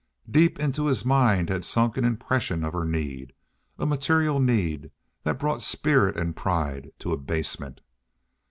Deep into his mind had sunk an impression of her need a material need that brought spirit and pride to abasement.